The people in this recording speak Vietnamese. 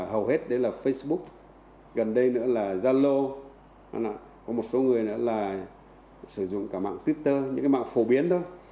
hầu hết đấy là facebook gần đây nữa là zalo có một số người nữa là sử dụng cả mạng twitter những cái mạng phổ biến thôi